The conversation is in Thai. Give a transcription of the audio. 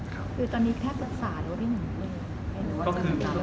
คือเข้าสาหรือว่าไม่เห็น